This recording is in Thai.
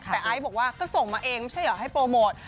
แต่ไอซ์บอกว่าก็ส่งมาเองไม่ใช่เหรอให้โปรโมท